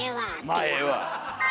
「まあええわ」。